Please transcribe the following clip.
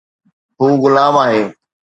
هو غلام آهي